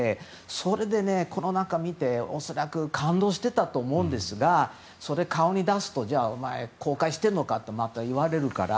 それでこの中見て恐らく感動してたと思うんですがそれを顔に出すとお前後悔してるのかってまた言われるから。